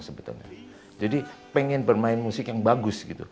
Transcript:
jadi kami ingin membuat musik yang bagus